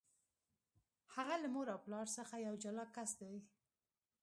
هغه له مور او پلار څخه یو جلا کس دی.